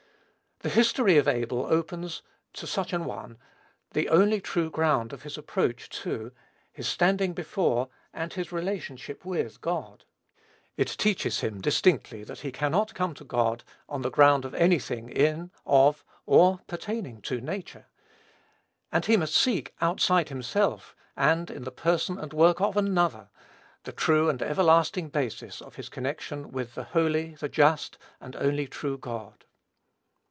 The history of Abel opens, to such an one, the only true ground of his approach to, his standing before, and his relationship with, God. It teaches him, distinctly, that he cannot come to God on the ground of any thing in, of, or pertaining to, nature; and he must seek, outside himself, and in the person and work of another, the true and everlasting basis of his connection with the Holy, the Just, and only True God.